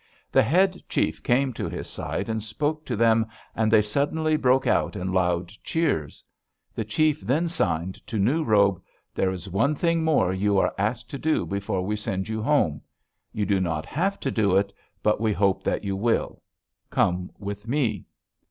The head chief came to his side and spoke to them, and they suddenly broke out in loud cheers. The chief then signed to New Robe: 'There is one thing more you are asked to do before we send you home. You do not have to do it, but we hope that you will. Come with me!'